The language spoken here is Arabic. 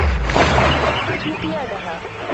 وَأَعْطَتْهُ قِيَادَهَا